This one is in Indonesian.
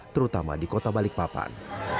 terutama di kota balikpapan